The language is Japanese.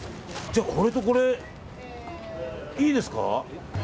じゃあ、これとこれいいですか？